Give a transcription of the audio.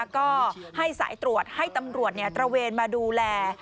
ก็ให้สายตรวจให้ตำรวจตระเวนมาดูแล